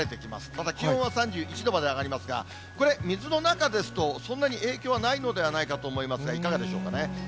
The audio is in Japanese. また気温は３１度まで上がりますが、これ、水の中ですと、そんなに影響はないのではないかと思いますが、いかがでしょうかね？